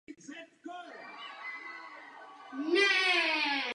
Řekli jsme proto, že to, co máme, možná nebude stačit.